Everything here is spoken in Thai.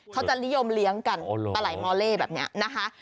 เขาจะนิยมเลี้ยงกันปลาไหลมอเล่แบบนี้นะคะ